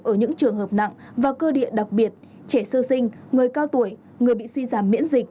ở những trường hợp nặng và cơ địa đặc biệt trẻ sơ sinh người cao tuổi người bị suy giảm miễn dịch